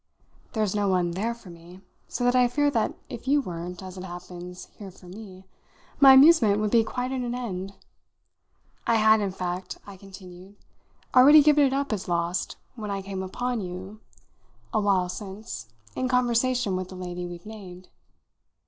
"There's no one 'there for me'; so that I fear that if you weren't, as it happens, here for me, my amusement would be quite at an end. I had, in fact," I continued, "already given it up as lost when I came upon you, a while since, in conversation with the lady we've named.